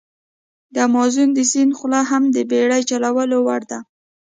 د امازون د سیند خوله هم د بېړی چلولو وړ ده.